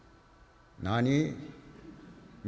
「何？